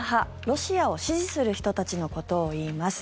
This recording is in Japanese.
ロシアを支持する人たちのことをいいます。